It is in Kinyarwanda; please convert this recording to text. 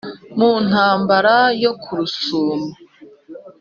Mu ntambara yo ku Rusumo